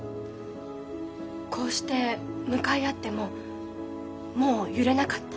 こうして向かい合ってももう揺れなかった。